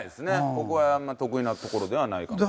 ここは得意なところではないかなと。